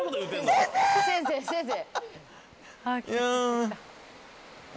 先生！